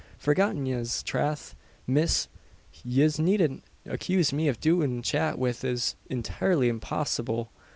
"Forgotten yez! Trath, miss, yez needn't accuse me of doin' chat which is intirely impossible.